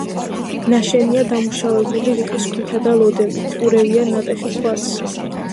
ნაშენია დამუშავებული რიყის ქვითა და ლოდებით, ურევია ნატეხი ქვაც.